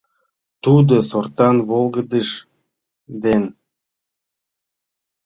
Тудо сортан волгыдыж ден